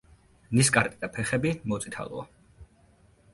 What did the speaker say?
ნისკარტი და ფეხები მოწითალოა.